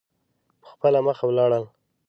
په خپله مخه ولاړل.